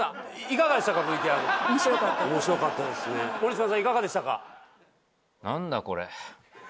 いかがでしたか？